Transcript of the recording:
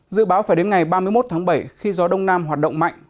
dự báo phải đến ngày ba mươi một tháng bảy khi gió đông nam hoạt động mạnh